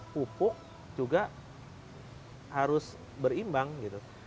pupuk juga harus berimbang gitu